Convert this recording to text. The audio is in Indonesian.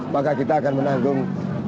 maka kita akan menanggung